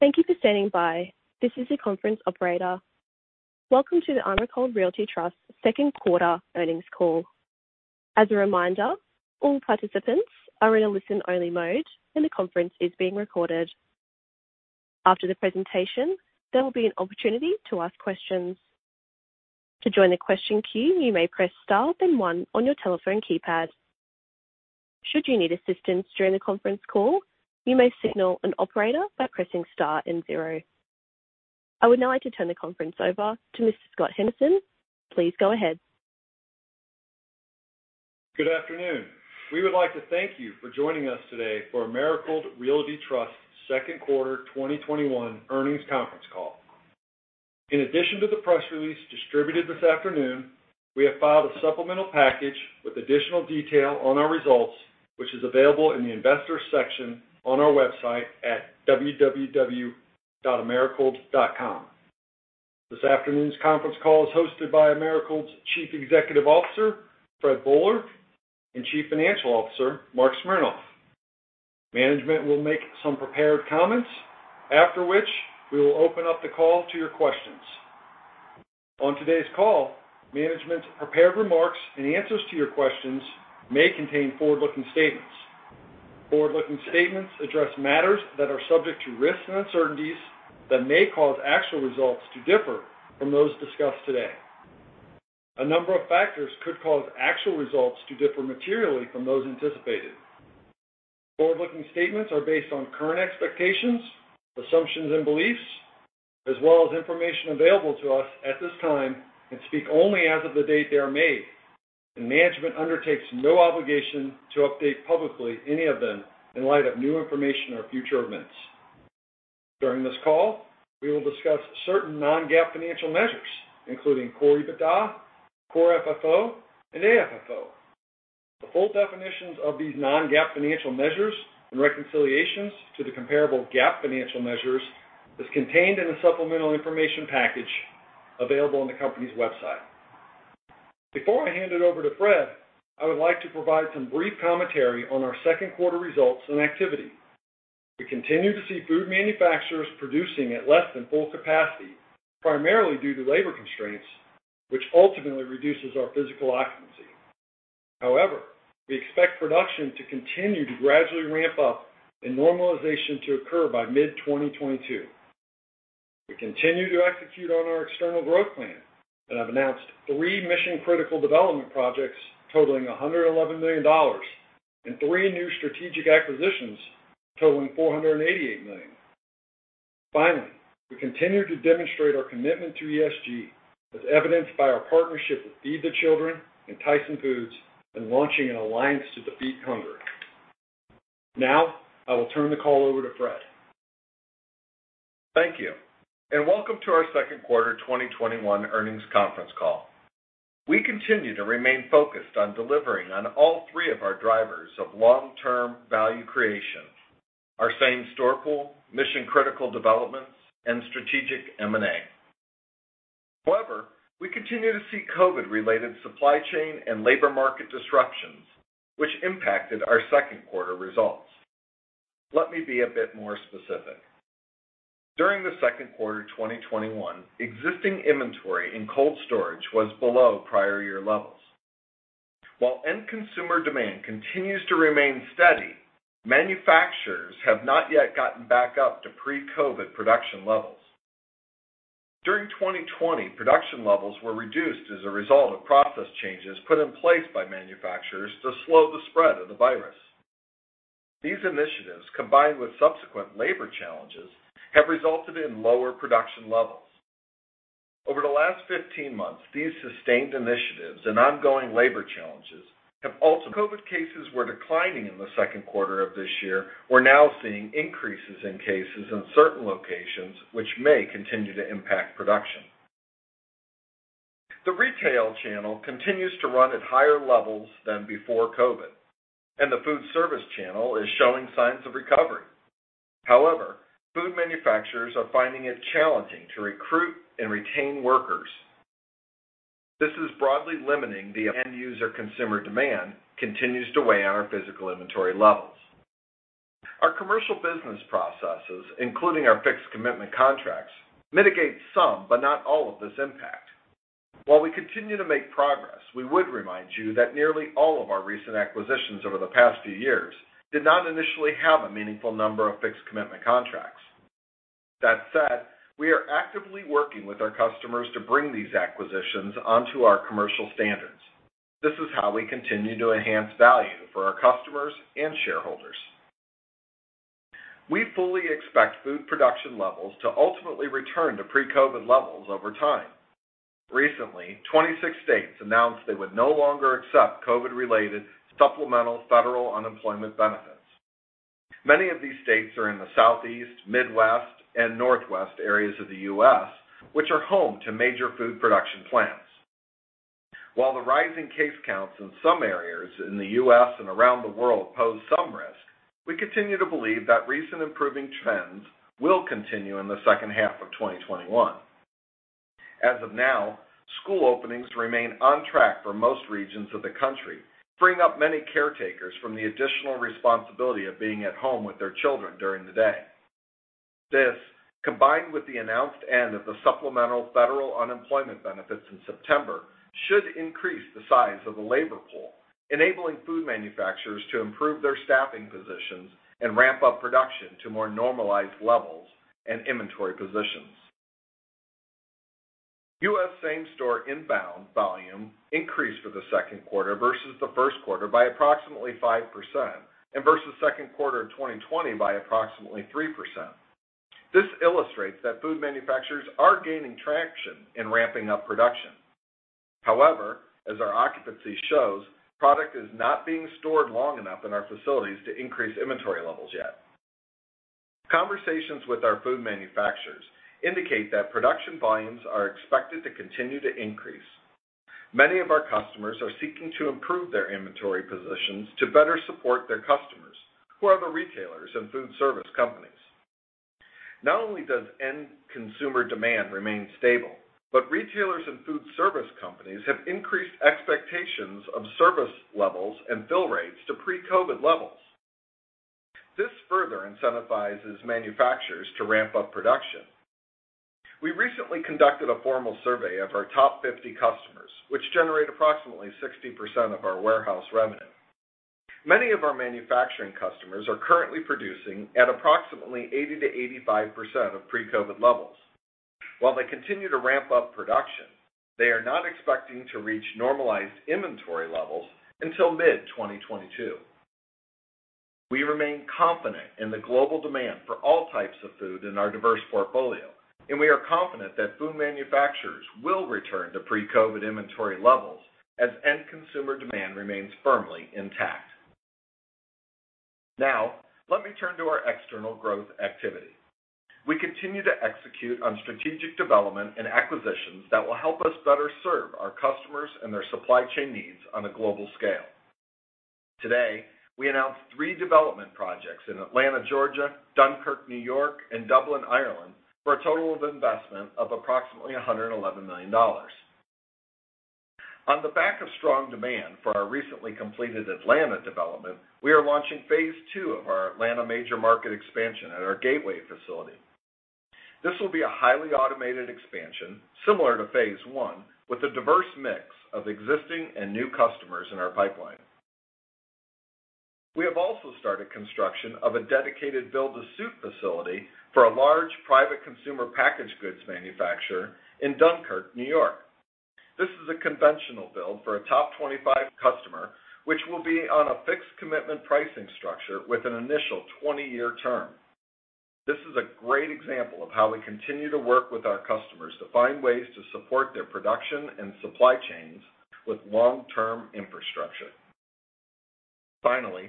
Thank you for standing by. This is the conference operator. Welcome to the Americold Realty Trust second quarter earnings call. As a reminder, all participants are in a listen-only mode, and the conference is being recorded. After the presentation, there will be an opportunity to ask questions. To join the question queue, you may press star then one on your telephone keypad. Should you need assistance during the conference call, you may signal an operator by pressing star and zero. I would now like to turn the conference over to Mr. Scott Henderson. Please go ahead. Good afternoon. We would like to thank you for joining us today for Americold Realty Trust 2nd quarter 2021 earnings conference call. In addition to the press release distributed this afternoon, we have filed a supplemental package with additional detail on our results, which is available in the Investors section on our website at www.americold.com. This afternoon's conference call is hosted by Americold's Chief Executive Officer, Fred Boehler, and Chief Financial Officer, Marc Smernoff. Management will make some prepared comments, after which we will open up the call to your questions. On today's call, management's prepared remarks and answers to your questions may contain forward-looking statements. Forward-looking statements address matters that are subject to risks and uncertainties that may cause actual results to differ from those discussed today. A number of factors could cause actual results to differ materially from those anticipated. Forward-looking statements are based on current expectations, assumptions, and beliefs, as well as information available to us at this time, and speak only as of the date they are made, and management undertakes no obligation to update publicly any of them in light of new information or future events. During this call, we will discuss certain non-GAAP financial measures, including core EBITDA, core FFO, and AFFO. The full definitions of these non-GAAP financial measures and reconciliations to the comparable GAAP financial measures is contained in the supplemental information package available on the company's website. Before I hand it over to Fred, I would like to provide some brief commentary on our second quarter results and activity. We continue to see food manufacturers producing at less than full capacity, primarily due to labor constraints, which ultimately reduces our physical occupancy. We expect production to continue to gradually ramp up and normalization to occur by mid-2022. We continue to execute on our external growth plan and have announced three mission-critical development projects totaling $111 million and three new strategic acquisitions totaling $488 million. We continue to demonstrate our commitment to ESG, as evidenced by our partnership with Feed the Children and Tyson Foods in launching an alliance to defeat hunger. I will turn the call over to Fred. Thank you. Welcome to our second quarter 2021 earnings conference call. We continue to remain focused on delivering on all three of our drivers of long-term value creation, our same-store pool, mission-critical developments, and strategic M&A. We continue to see COVID-related supply chain and labor market disruptions, which impacted our second quarter results. Let me be a bit more specific. During the second quarter 2021, existing inventory in cold storage was below prior year levels. While end consumer demand continues to remain steady, manufacturers have not yet gotten back up to pre-COVID production levels. During 2020, production levels were reduced as a result of process changes put in place by manufacturers to slow the spread of the virus. These initiatives, combined with subsequent labor challenges, have resulted in lower production levels. Over the last 15 months, these sustained initiatives and ongoing labor challenges and also COVID cases were declining in the second quarter of this year, we're now seeing increases in cases in certain locations, which may continue to impact production. The retail channel continues to run at higher levels than before COVID, and the food service channel is showing signs of recovery. However, food manufacturers are finding it challenging to recruit and retain workers. This is broadly limiting the end user. Consumer demand continues to weigh on our physical inventory levels. Our commercial business processes, including our fixed commitment contracts, mitigate some but not all of this impact. While we continue to make progress, we would remind you that nearly all of our recent acquisitions over the past few years did not initially have a meaningful number of fixed commitment contracts. That said, we are actively working with our customers to bring these acquisitions onto our commercial standards. This is how we continue to enhance value for our customers and shareholders. We fully expect food production levels to ultimately return to pre-COVID levels over time. Recently, 26 states announced they would no longer accept COVID-related supplemental federal unemployment benefits. Many of these states are in the Southeast, Midwest, and Northwest areas of the U.S., which are home to major food production plants. While the rising case counts in some areas in the U.S. and around the world pose some risk, we continue to believe that recent improving trends will continue in the second half of 2021. As of now, school openings remain on track for most regions of the country, freeing up many caretakers from the additional responsibility of being at home with their children during the day. This, combined with the announced end of the supplemental federal unemployment benefits in September, should increase the size of the labor pool, enabling food manufacturers to improve their staffing positions and ramp up production to more normalized levels and inventory positions. U.S. same-store inbound volume increased for the second quarter versus the first quarter by approximately 5% and versus second quarter of 2020 by approximately 3%. This illustrates that food manufacturers are gaining traction in ramping up production. However, as our occupancy shows, product is not being stored long enough in our facilities to increase inventory levels yet. Conversations with our food manufacturers indicate that production volumes are expected to continue to increase. Many of our customers are seeking to improve their inventory positions to better support their customers, who are the retailers and food service companies. Not only does end consumer demand remain stable, but retailers and food service companies have increased expectations of service levels and fill rates to pre-COVID levels. This further incentivizes manufacturers to ramp up production. We recently conducted a formal survey of our top 50 customers, which generate approximately 60% of our warehouse revenue. Many of our manufacturing customers are currently producing at approximately 80%-85% of pre-COVID levels. While they continue to ramp up production, they are not expecting to reach normalized inventory levels until mid-2022. We remain confident in the global demand for all types of food in our diverse portfolio, and we are confident that food manufacturers will return to pre-COVID inventory levels as end consumer demand remains firmly intact. Now, let me turn to our external growth activity. We continue to execute on strategic development and acquisitions that will help us better serve our customers and their supply chain needs on a global scale. Today, we announced three development projects in Atlanta, Georgia, Dunkirk, N.Y., and Dublin, Ireland, for a total of investment of approximately $111 million. On the back of strong demand for our recently completed Atlanta development, we are launching phase II of our Atlanta major Market expansion at our gateway facility. This will be a highly automated expansion, similar to phase I, with a diverse mix of existing and new customers in our pipeline. We have also started construction of a dedicated build-to-suit facility for a large private consumer packaged goods manufacturer in Dunkirk, N.Y.. This is a conventional build for a top 25 customer, which will be on a fixed commitment pricing structure with an initial 20-year term. This is a great example of how we continue to work with our customers to find ways to support their production and supply chains with long-term infrastructure. Finally,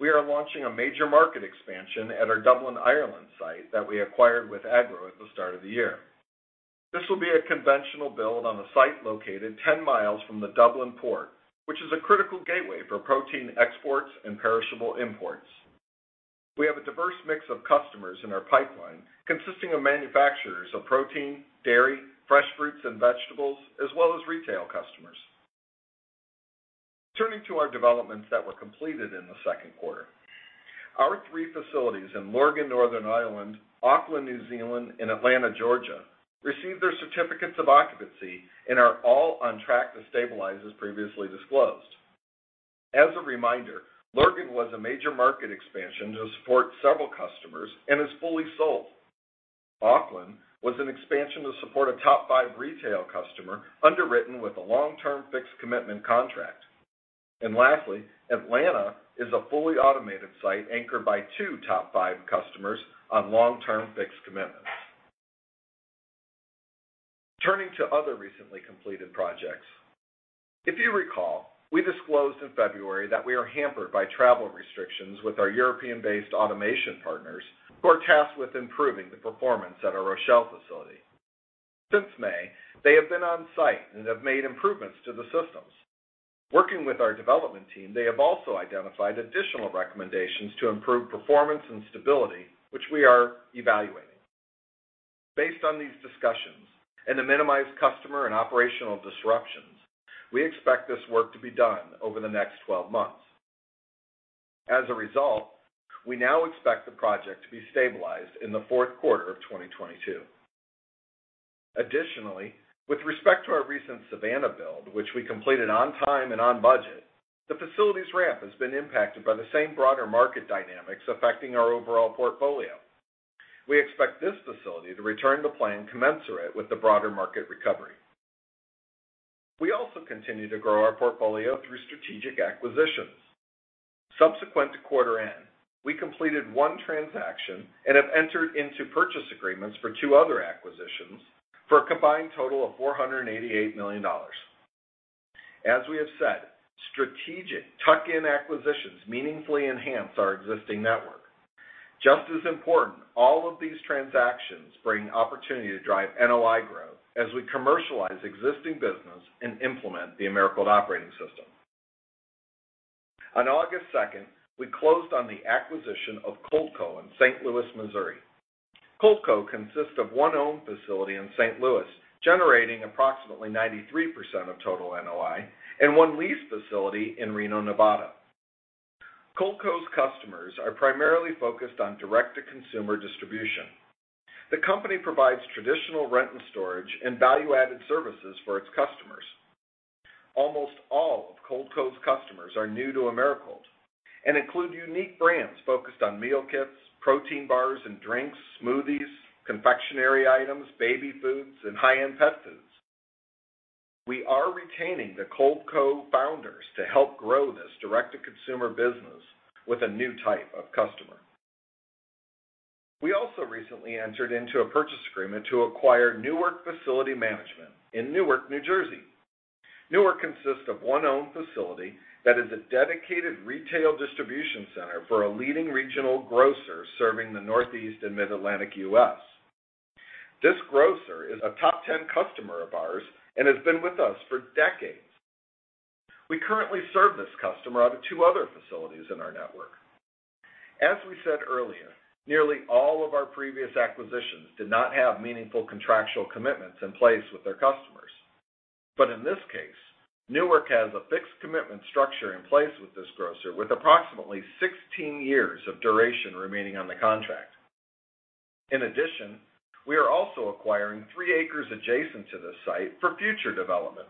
we are launching a major Market expansion at our Dublin, Ireland site that we acquired with Agro at the start of the year. This will be a conventional build on a site located 10 mi from the Dublin Port, which is a critical gateway for protein exports and perishable imports. We have a diverse mix of customers in our pipeline consisting of manufacturers of protein, dairy, fresh fruits and vegetables, as well as retail customers. Turning to our developments that were completed in the second quarter. Our three facilities in Lurgan, Northern Ireland, Auckland, New Zealand, and Atlanta, Georgia, received their certificates of occupancy and are all on track to stabilize as previously disclosed. As a reminder, Lurgan was a major Market expansion to support several customers and is fully sold. Auckland was an expansion to support a top five retail customer underwritten with a long-term fixed commitment contract. Lastly, Atlanta is a fully automated site anchored by two top five customers on long-term fixed commitments. Turning to other recently completed projects. If you recall, we disclosed in February that we are hampered by travel restrictions with our European-based automation partners who are tasked with improving the performance at our Rochelle facility. Since May, they have been on-site and have made improvements to the systems. Working with our development team, they have also identified additional recommendations to improve performance and stability, which we are evaluating. Based on these discussions and to minimize customer and operational disruptions, we expect this work to be done over the next 12 months. As a result, we now expect the project to be stabilized in the fourth quarter of 2022. Additionally, with respect to our recent Savannah build, which we completed on time and on budget, the facility's ramp has been impacted by the same broader Market dynamics affecting our overall portfolio. We expect this facility to return to plan commensurate with the broader Market recovery. We also continue to grow our portfolio through strategic acquisitions. Subsequent to quarter end, we completed one transaction and have entered into purchase agreements for two other acquisitions for a combined total of $488 million. As we have said, strategic tuck-in acquisitions meaningfully enhance our existing network. Just as important, all of these transactions bring opportunity to drive NOI growth as we commercialize existing business and implement the Americold operating system. On August 2nd, we closed on the acquisition of ColdCo in St. Louis, Missouri. ColdCo consists of one owned facility in St. Louis, generating approximately 93% of total NOI, and 1 leased facility in Reno, Nevada. ColdCo's customers are primarily focused on direct-to-consumer distribution. The company provides traditional rent and storage and value-added services for its customers. Almost all of ColdCo's customers are new to Americold and include unique brands focused on meal kits, protein bars and drinks, smoothies, confectionery items, baby foods, and high-end pet foods. We are retaining the ColdCo founders to help grow this direct-to-consumer business with a new type of customer. We also recently entered into a purchase agreement to acquire Newark Facility Management in Newark, New Jersey. Newark consists of one owned facility that is a dedicated retail distribution center for a leading regional grocer serving the Northeast and Mid-Atlantic U.S.. This grocer is a top 10 customer of ours and has been with us for decades. We currently serve this customer out of two other facilities in our network. As we said earlier, nearly all of our previous acquisitions did not have meaningful contractual commitments in place with their customers. In this case, Newark has a fixed commitment structure in place with this grocer, with approximately 16 years of duration remaining on the contract. In addition, we are also acquiring three acres adjacent to this site for future development.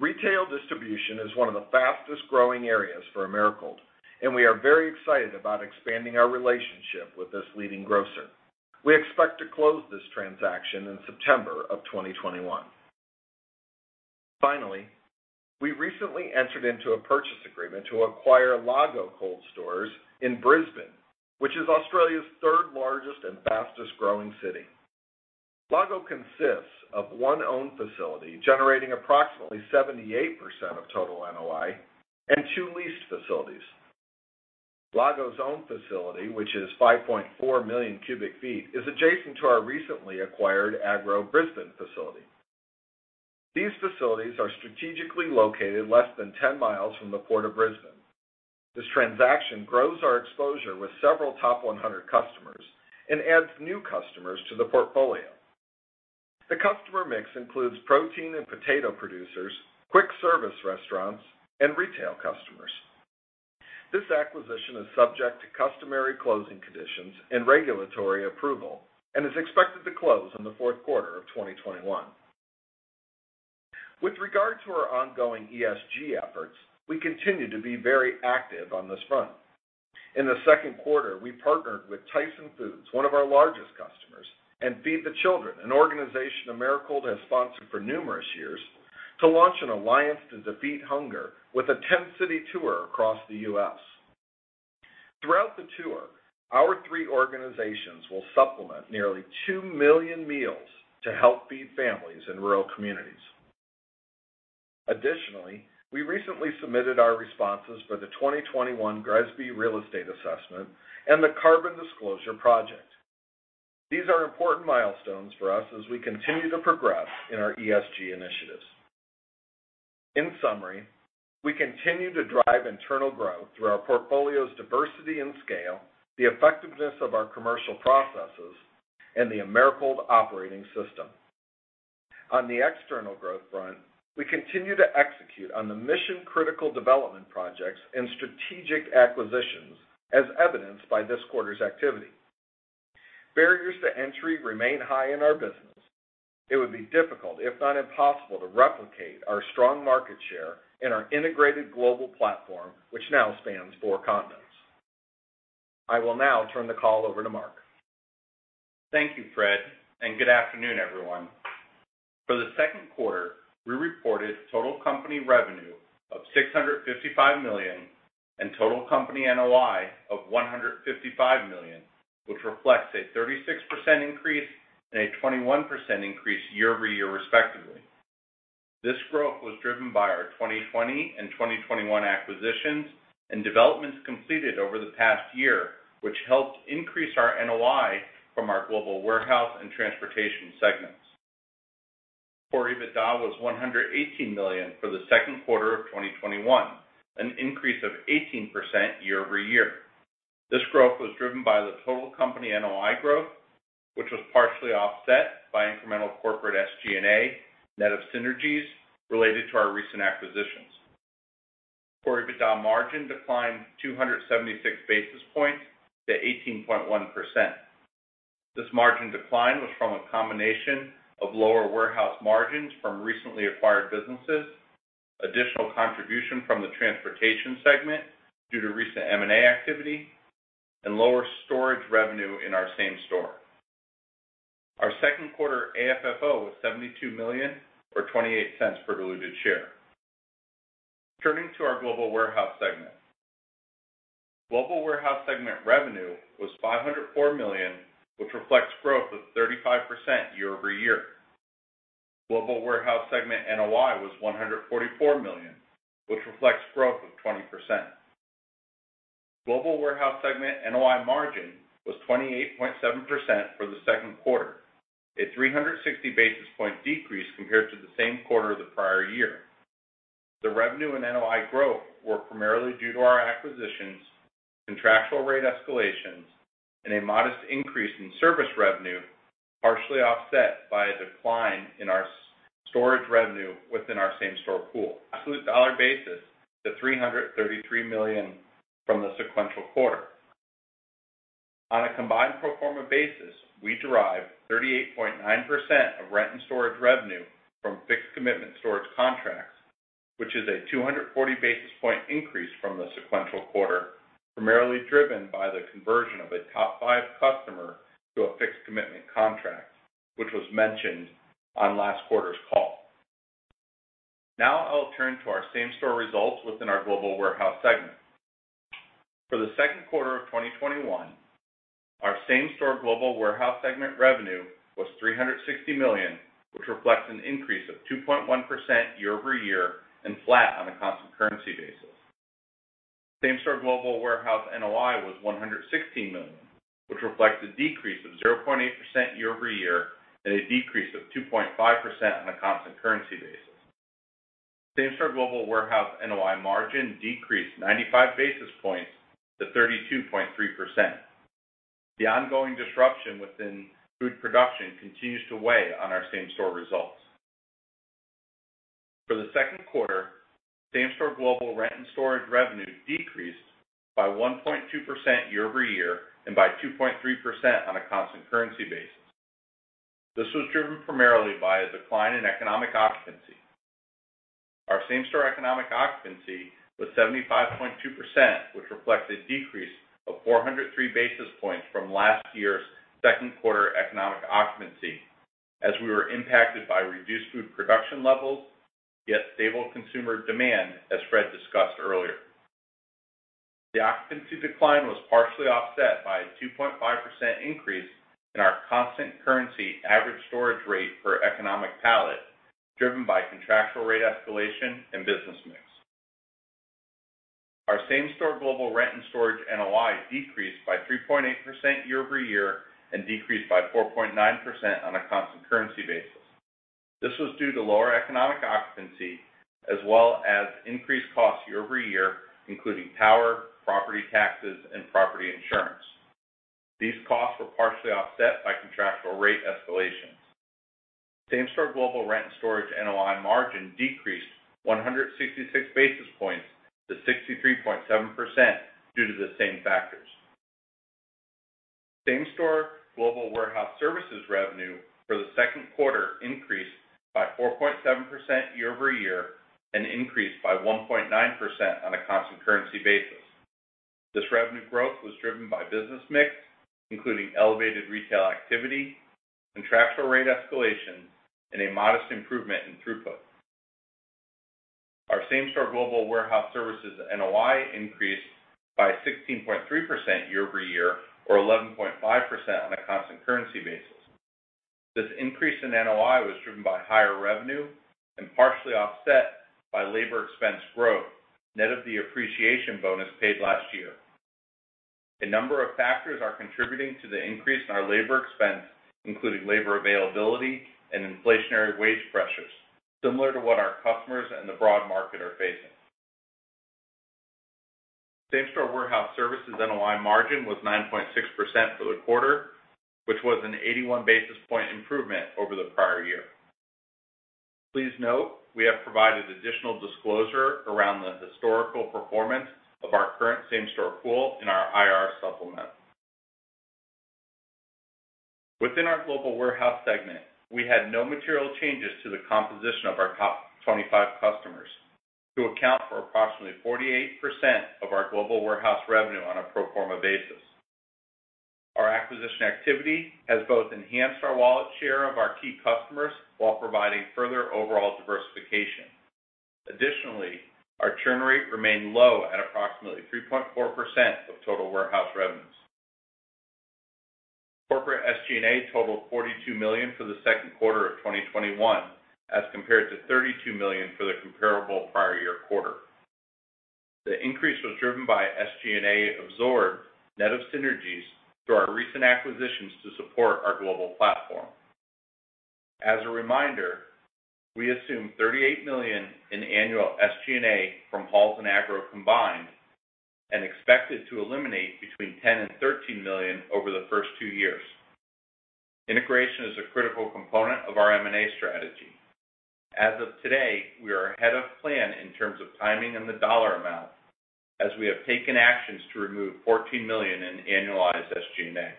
Retail distribution is one of the fastest-growing areas for Americold, and we are very excited about expanding our relationship with this leading grocer. We expect to close this transaction in September of 2021. Finally, we recently entered into a purchase agreement to acquire Lago Cold Stores in Brisbane, which is Australia's third-largest and fastest-growing city. Lago consists of one owned facility, generating approximately 78% of total NOI, and two leased facilities. Lago's owned facility, which is 5.4 million cu ft, is adjacent to our recently acquired Agro Brisbane facility. These facilities are strategically located less than 10 mi from the Port of Brisbane. This transaction grows our exposure with several top 100 customers and adds new customers to the portfolio. The customer mix includes protein and potato producers, quick service restaurants, and retail customers. This acquisition is subject to customary closing conditions and regulatory approval and is expected to close in the fourth quarter of 2021. With regard to our ongoing ESG efforts, we continue to be very active on this front. In the second quarter, we partnered with Tyson Foods, one of our largest customers, and Feed the Children, an organization Americold has sponsored for numerous years, to launch an alliance to defeat hunger with a 10-city tour across the U.S.. Throughout the tour, our three organizations will supplement nearly 2 million meals to help feed families in rural communities. Additionally, we recently submitted our responses for the 2021 GRESB Real Estate Assessment and the Carbon Disclosure Project. These are important milestones for us as we continue to progress in our ESG initiatives. In summary, we continue to drive internal growth through our portfolio's diversity and scale, the effectiveness of our commercial processes, and the Americold operating system. On the external growth front, we continue to execute on the mission-critical development projects and strategic acquisitions as evidenced by this quarter's activity. Barriers to entry remain high in our business. It would be difficult, if not impossible, to replicate our strong Market share in our integrated global platform, which now spans four continents. I will now turn the call over to Marc Smernoff. Thank you, Fred, and good afternoon, everyone. For the second quarter, we reported total company revenue of $655 million and total company NOI of $155 million, which reflects a 36% increase and a 21% increase year-over-year, respectively. This growth was driven by our 2020 and 2021 acquisitions and developments completed over the past year, which helped increase our NOI from our global warehouse and transportation segments. Core EBITDA was $118 million for the second quarter of 2021, an increase of 18% year-over-year. This growth was driven by the total company NOI growth, which was partially offset by incremental corporate SG&A net of synergies related to our recent acquisitions. Core EBITDA margin declined 276 basis points to 18.1%. This margin decline was from a combination of lower warehouse margins from recently acquired businesses, additional contribution from the transportation segment due to recent M&A activity, and lower storage revenue in our same store. Our second quarter AFFO was $72 million or $0.28 per diluted share. Turning to our Global Warehouse segment. Global Warehouse segment revenue was $504 million, which reflects growth of 35% year-over-year. Global Warehouse segment NOI was $144 million, which reflects growth of 20%. Global Warehouse segment NOI margin was 28.7% for the second quarter, a 360 basis point decrease compared to the same quarter of the prior year. The revenue and NOI growth were primarily due to our acquisitions, contractual rate escalations, and a modest increase in service revenue, partially offset by a decline in our storage revenue within our same-store pool. Absolute dollar basis to $333 million from the sequential quarter. On a combined pro forma basis, we derive 38.9% of rent and storage revenue from fixed commitment storage contracts, which is a 240 basis points increase from the sequential quarter, primarily driven by the conversion of a top five customer to a fixed commitment contract, which was mentioned on last quarter's call. Now I'll turn to our same-store results within our Global Warehouse segment. For the second quarter of 2021, our same-store Global Warehouse segment revenue was $360 million, which reflects an increase of 2.1% year-over-year, and flat on a constant currency basis. Same-store Global Warehouse NOI was $116 million, which reflects a decrease of 0.8% year-over-year and a decrease of 2.5% on a constant currency basis. Same-store Global Warehouse NOI margin decreased 95 basis points to 32.3%. The ongoing disruption within food production continues to weigh on our same-store results. For the second quarter, same-store global rent and storage revenue decreased by 1.2% year-over-year and by 2.3% on a constant currency basis. This was driven primarily by a decline in economic occupancy. Our same-store economic occupancy was 75.2%, which reflects a decrease of 403 basis points from last year's second quarter economic occupancy, as we were impacted by reduced food production levels, yet stable consumer demand, as Fred discussed earlier. The occupancy decline was partially offset by a 2.5% increase in our constant currency average storage rate per economic pallet, driven by contractual rate escalation and business mix. Our same-store global rent and storage NOI decreased by 3.8% year-over-year and decreased by 4.9% on a constant currency basis. This was due to lower economic occupancy as well as increased costs year-over-year, including power, property taxes, and property insurance. These costs were partially offset by contractual rate escalations. Same-store global rent and storage NOI margin decreased 166 basis points to 63.7% due to the same factors. Same-store global warehouse services revenue for the second quarter increased by 4.7% year-over-year and increased by 1.9% on a constant currency basis. This revenue growth was driven by business mix, including elevated retail activity, contractual rate escalation, and a modest improvement in throughput. Our same-store global warehouse services NOI increased by 16.3% year-over-year, or 11.5% on a constant currency basis. This increase in NOI was driven by higher revenue and partially offset by labor expense growth, net of the appreciation bonus paid last year. A number of factors are contributing to the increase in our labor expense, including labor availability and inflationary wage pressures, similar to what our customers and the broad Market are facing. Same-store warehouse services NOI margin was 9.6% for the quarter, which was an 81 basis points improvement over the prior year. Please note, we have provided additional disclosure around the historical performance of our current same-store pool in our IR supplement. Within our Global Warehouse segment, we had no material changes to the composition of our top 25 customers, who account for approximately 48% of our global warehouse revenue on a pro forma basis. Our acquisition activity has both enhanced our wallet share of our key customers while providing further overall diversification. Additionally, our churn rate remained low at approximately 3.4% of total warehouse revenues. Corporate SG&A totaled $42 million for the second quarter of 2021 as compared to $32 million for the comparable prior year quarter. The increase was driven by SG&A absorbed, net of synergies, through our recent acquisitions to support our global platform. As a reminder, we assume $38 million in annual SG&A from Hall's and Agro combined and expect it to eliminate between $10 million and $13 million over the first two years. Integration is a critical component of our M&A strategy. As of today, we are ahead of plan in terms of timing and the dollar amount as we have taken actions to remove $14 million in annualized SG&A.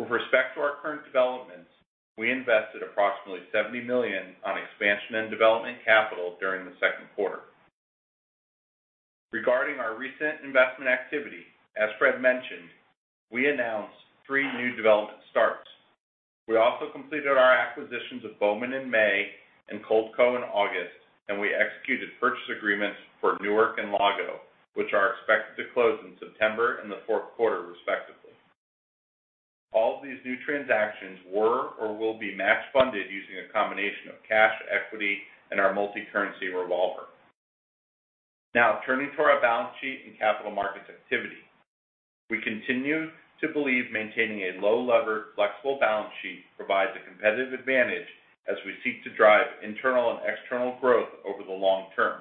With respect to our current developments, we invested approximately $70 million on expansion and development capital during the second quarter. Regarding our recent investment activity, as Fred mentioned, we announced three new development starts. We also completed our acquisitions of Bowman in May and ColdCo in August, and we executed purchase agreements for Newark and Lago, which are expected to close in September and the fourth quarter, respectively. All of these new transactions were or will be match funded using a combination of cash, equity, and our multicurrency revolver. Turning to our balance sheet and capital Markets activity. We continue to believe maintaining a low lever, flexible balance sheet provides a competitive advantage as we seek to drive internal and external growth over the long term.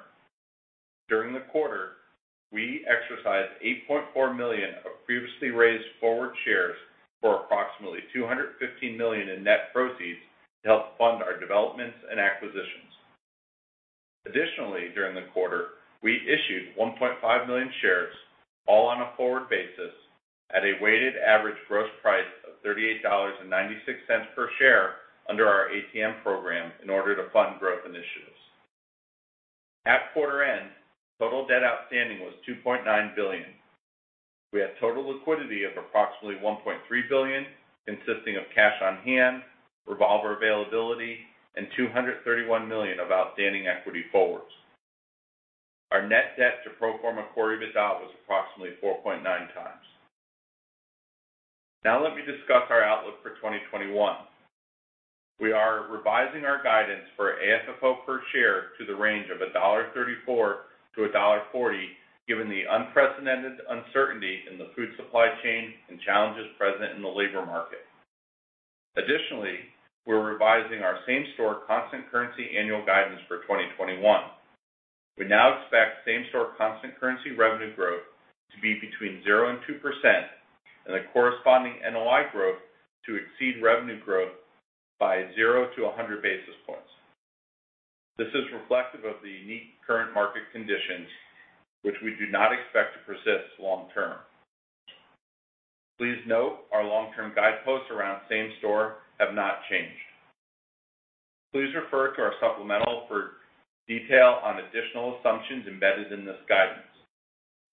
During the quarter, we exercised 8.4 million of previously raised forward shares for approximately $215 million in net proceeds to help fund our developments and acquisitions. Additionally, during the quarter, we issued 1.5 million shares, all on a forward basis, at a weighted average gross price of $38.96 per share under our ATM program in order to fund growth initiatives. At quarter end, total debt outstanding was $2.9 billion. We had total liquidity of approximately $1.3 billion, consisting of cash on hand, revolver availability, and $231 million of outstanding equity forwards. Our net debt to pro forma Core EBITDA was approximately 4.9x. Now let me discuss our outlook for 2021. We are revising our guidance for AFFO per share to the range of $1.34-$1.40, given the unprecedented uncertainty in the food supply chain and challenges present in the labor Market. Additionally, we're revising our same-store constant currency annual guidance for 2021. We now expect same-store constant currency revenue growth to be between 0% and 2%, and the corresponding NOI growth to exceed revenue growth by 0 to 100 basis points. This is reflective of the unique current Market conditions, which we do not expect to persist long term. Please note our long-term guideposts around same-store have not changed. Please refer to our supplemental for detail on additional assumptions embedded in this guidance.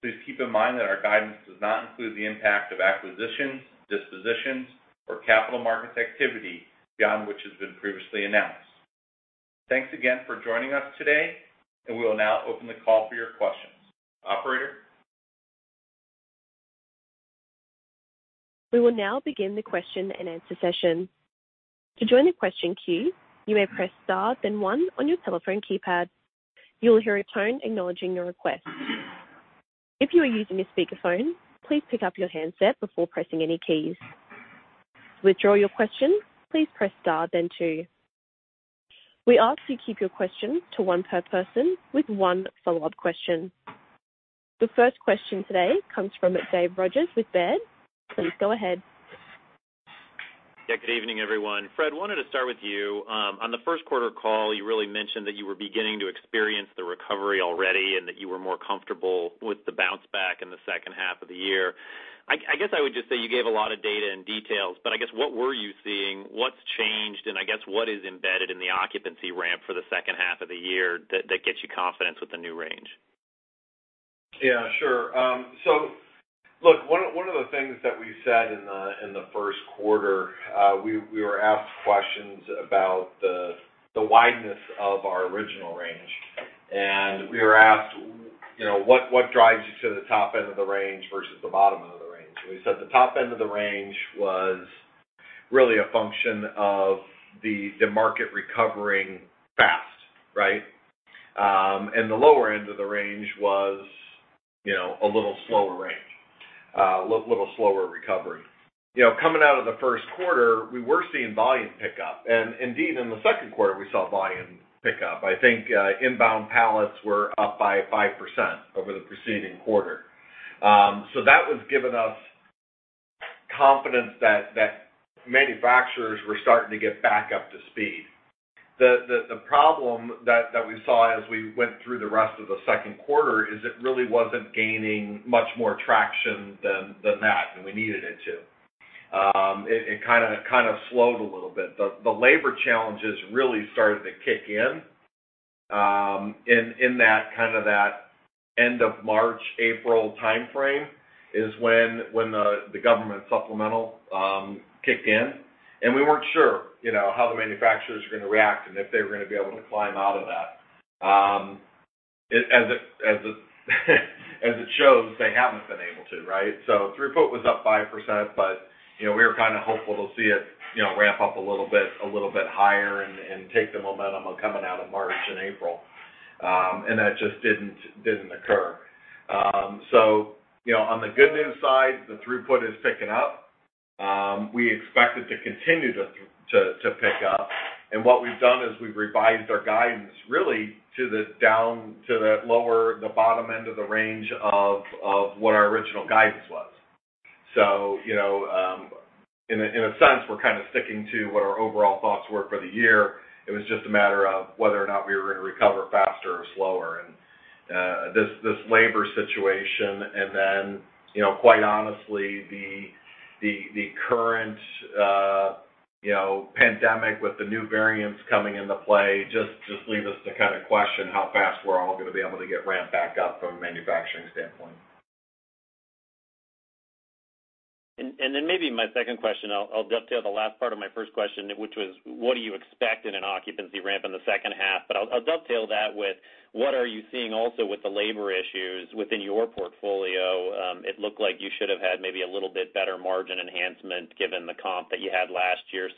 Please keep in mind that our guidance does not include the impact of acquisitions, dispositions, or capital Markets activity beyond which has been previously announced. Thanks again for joining us today and we will now open the call for your questions. Operator? We will now begin the question and answer session. To join the question queue, you may press star then one on your telephone keypad. You will hear a tone acknowledging your request. If you are using a speakerphone, please pick up your handset before pressing any keys. To withdraw your question, please press star then two. We ask you keep your question to one per person with one follow-up question. The first question today comes from Dave Rodgers with Baird. Please go ahead. Yeah, good evening, everyone. Fred, wanted to start with you. On the first quarter call, you really mentioned that you were beginning to experience the recovery already and that you were more comfortable with the bounce back in the second half of the year. I guess I would just say you gave a lot of data and details, but I guess what were you seeing? What's changed, and I guess what is embedded in the occupancy ramp for the second half of the year that gets you confidence with the new range? Yeah, sure. Look, one of the things that we said in the first quarter, we were asked questions about the wideness of our original range. We were asked, you know, what drives you to the top end of the range versus the bottom end of the range? We said the top end of the range was really a function of the Market recovering fast, right? The lower end of the range was, you know, a little slower recovery. You know, coming out of the first quarter, we were seeing volume pick up, indeed in the second quarter, we saw volume pick up. I think inbound pallets were up by 5% over the preceding quarter. That was giving us confidence that manufacturers were starting to get back up to speed. The problem that we saw as we went through the rest of the second quarter is it really wasn't gaining much more traction than that than we needed it to. It kinda slowed a little bit. The labor challenges really started to kick in in that kinda end of March, April timeframe, is when the government supplemental kicked in. We weren't sure, you know, how the manufacturers were gonna react and if they were gonna be able to climb out of that. As it shows, they haven't been able to, right? Throughput was up 5%, but, you know, we were kind of hopeful to see it, you know, ramp up a little bit higher and take the momentum of coming out of March and April. That just didn't occur. On the good news side, the throughput is picking up. We expect it to continue to pick up. What we've done is we've revised our guidance really to the down, to that lower, the bottom end of the range of what our original guidance was. In a sense, we're kind of sticking to what our overall thoughts were for the year. It was just a matter of whether or not we were gonna recover faster or slower. This labor situation and then, you know, quite honestly the current, you know, pandemic with the new variants coming into play just leave us to kind of question how fast we're all gonna be able to get ramped back up from a manufacturing standpoint. Maybe my second question, I'll dovetail the last part of my first question, which was, what do you expect in an occupancy ramp in the second half? I'll dovetail that with what are you seeing also with the labor issues within your portfolio? Looked like you should have had maybe a little bit better margin enhancement given the comp that you had last year.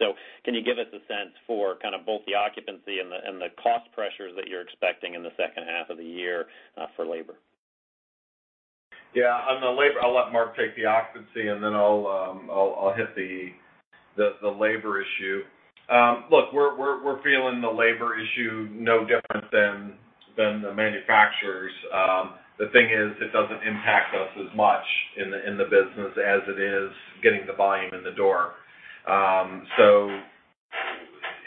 Can you give us a sense for both the occupancy and the cost pressures that you're expecting in the second half of the year for labor? Yeah. On the labor, I'll let Marc take the occupancy, and then I'll hit the labor issue. Look, we're feeling the labor issue no different than the manufacturers. The thing is, it doesn't impact us as much in the business as it is getting the volume in the door.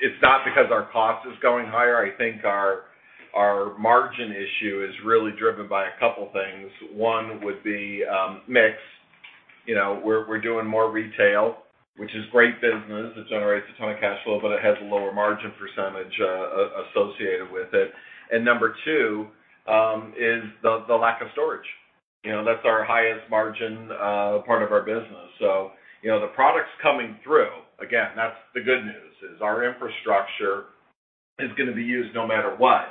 It's not because our cost is going higher. I think our margin issue is really driven by a couple things. One would be mix. We're doing more retail, which is great business. It generates a ton of cash flow, but it has a lower margin % associated with it. Number two is the lack of storage. That's our highest margin part of our business. The product's coming through. Again, that's the good news, is our infrastructure is going to be used no matter what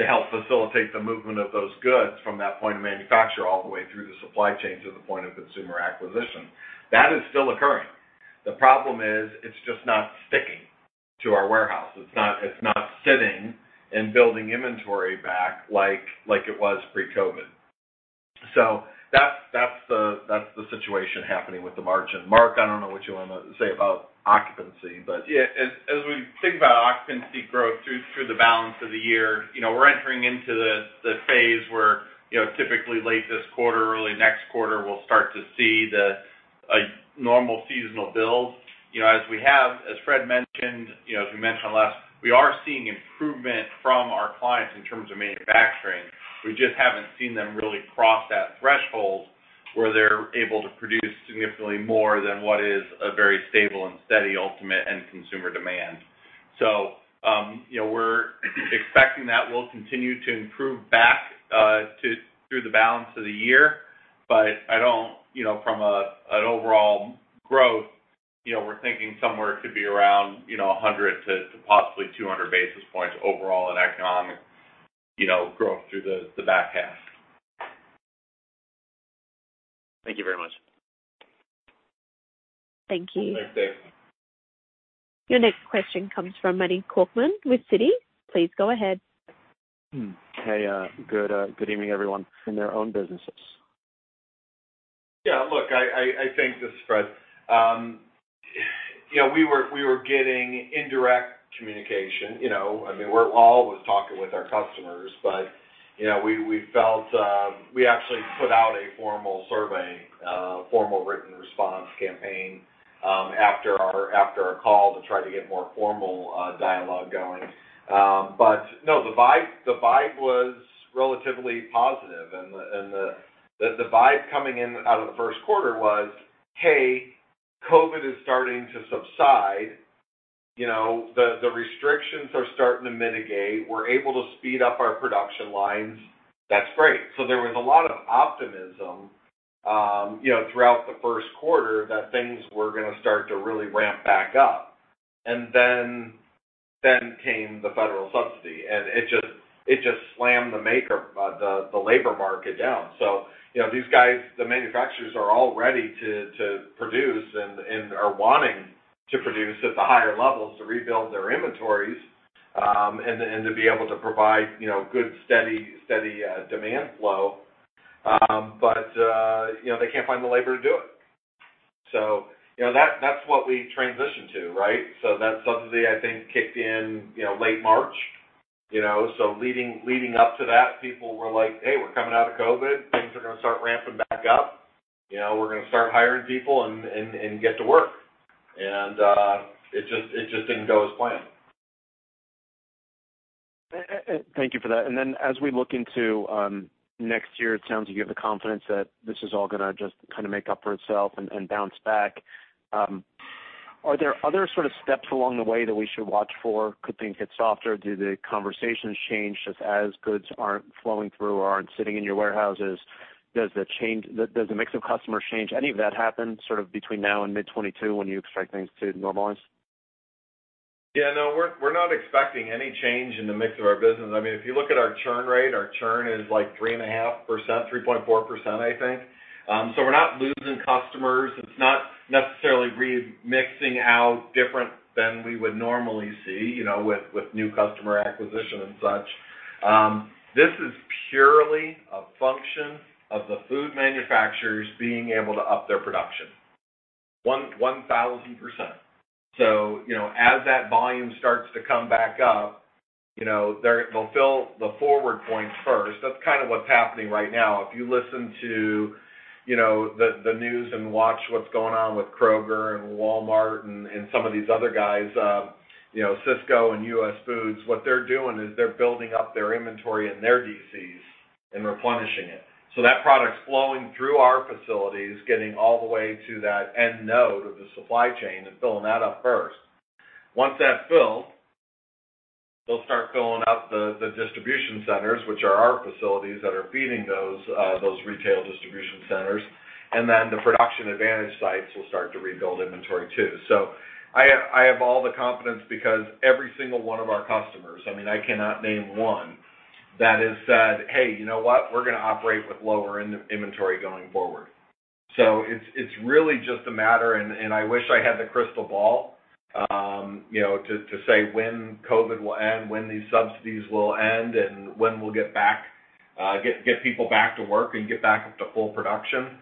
to help facilitate the movement of those goods from that point of manufacture all the way through the supply chain to the point of consumer acquisition. That is still occurring. The problem is, it's just not sticking to our warehouse. It's not sitting and building inventory back like it was pre-COVID. That's the situation happening with the margin. Marc, I don't know what you want to say about occupancy, but Yeah, as we think about occupancy growth through the balance of the year, we're entering into the phase where, typically late this quarter, early next quarter, we'll start to see the normal seasonal build. As Fred mentioned, as we mentioned last, we are seeing improvement from our clients in terms of manufacturing. We just haven't seen them really cross that threshold where they're able to produce significantly more than what is a very stable and steady ultimate end consumer demand. We're expecting that we'll continue to improve back through the balance of the year. From an overall growth, we're thinking somewhere it could be around 100 to possibly 200 basis points overall in economic growth through the back half. Thank you very much. Thank you. Thanks, Dave Rodgers. Your next question comes from Manny Korchman with Citi. Please go ahead. Hey. Good evening, everyone. In their own businesses. Look, I think this spread. We were getting indirect communication. We're always talking with our customers, but we actually put out a formal survey, a formal written response campaign, after our call to try to get more formal dialogue going. No, the vibe was relatively positive, and the vibe coming in out of the first quarter was, hey, COVID is starting to subside. The restrictions are starting to mitigate. We're able to speed up our production lines. That's great. There was a lot of optimism throughout the first quarter that things were going to start to really ramp back up. Then came the federal subsidy, and it just slammed the labor Market down. These guys, the manufacturers, are all ready to produce and are wanting to produce at the higher levels to rebuild their inventories, and to be able to provide good, steady demand flow. They can't find the labor to do it. That's what we transitioned to, right? That subsidy, I think, kicked in late March. Leading up to that, people were like, "Hey, we're coming out of COVID. Things are going to start ramping back up. We're going to start hiring people and get to work." It just didn't go as planned. Thank you for that. As we look into next year, it sounds like you have the confidence that this is all going to just kind of make up for itself and bounce back. Are there other sort of steps along the way that we should watch for? Could things hit softer? Do the conversations change just as goods aren't flowing through or aren't sitting in your warehouses? Does the mix of customers change? Any of that happen sort of between now and mid 2022 when you expect things to normalize? Yeah, no, we're not expecting any change in the mix of our business. If you look at our churn rate, our churn is like 3.5%, 3.4%, I think. We're not losing customers. It's not necessarily mixing out different than we would normally see, with new customer acquisition and such. This is purely a function of the food manufacturers being able to up their production 1,000%. As that volume starts to come back up, they'll fill the forward points first. That's kind of what's happening right now. If you listen to the news and watch what's going on with Kroger and Walmart and some of these other guys, Sysco and US Foods, what they're doing is they're building up their inventory in their DCs and replenishing it. That product's flowing through our facilities, getting all the way to that end node of the supply chain and filling that up first. Once that's filled, they'll start filling up the distribution centers, which are our facilities that are feeding those retail distribution centers, and then the production advantage sites will start to rebuild inventory too. I have all the confidence because every single one of our customers, I cannot name one that has said, "Hey, you know what? We're going to operate with lower inventory going forward." It's really just a matter, and I wish I had the crystal ball to say when COVID will end, when these subsidies will end, and when we'll get people back to work and get back up to full production.